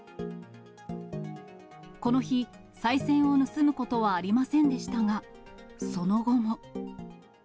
この日、さい銭を盗むことはありませんでしたが、その後も。